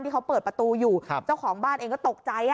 เขาเปิดประตูอยู่เจ้าของบ้านเองก็ตกใจ